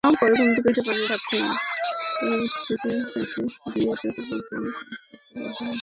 এরপর থেকে তাকে দিয়ে জোরপূর্বক যৌন কাজ করতে বাধ্য করা হয়।